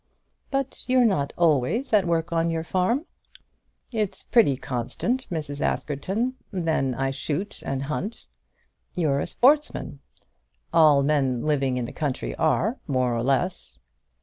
"But you're not always at work on your farm?" "It's pretty constant, Mrs. Askerton. Then I shoot, and hunt." "You're a sportsman?" "All men living in the country are, more or less."